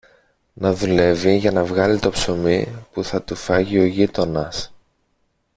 να δουλεύει για να βγάλει το ψωμί που θα του φάγει ο γείτονας.